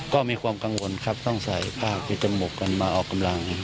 ก็มีความกังวลครับต้องใส่ผ้าปิดจมูกกันมาออกกำลัง